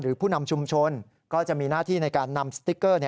ผู้นำชุมชนก็จะมีหน้าที่ในการนำสติ๊กเกอร์